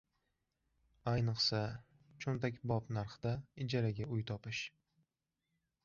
Ayniqsa, cho'ntakbop narxda ijaraga uy topish.